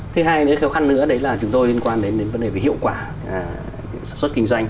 thứ hai nữa khó khăn nữa đấy là chúng tôi liên quan đến vấn đề về hiệu quả sản xuất kinh doanh